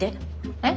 えっ？